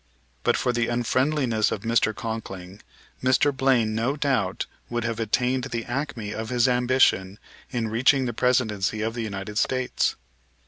But for the unfriendliness of Mr. Conkling, Mr. Blaine no doubt would have attained the acme of his ambition in reaching the Presidency of the United States.